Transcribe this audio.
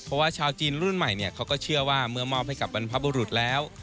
เพราะว่าชาวจีนรุ่นใหม่เขาก็เชื่อว่าเมื่อมอบให้กับบรรพบุรุษแล้ว